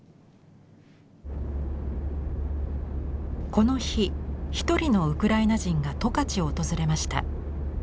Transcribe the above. この日一人のウクライナ人が十勝を訪れました。